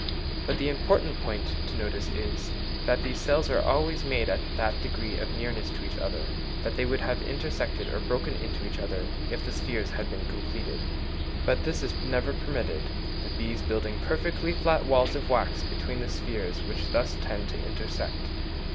But the important point to notice is, that these cells are always made at that degree of nearness to each other that they would have intersected or broken into each other if the spheres had been completed; but this is never permitted, the bees building perfectly flat walls of wax between the spheres which thus tend to intersect.